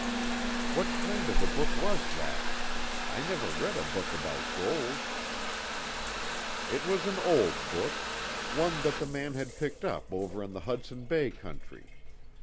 "What kind of a book was that? I never read a book about gold." "It was an old book. One that the man had picked up over in the Hudson Bay country.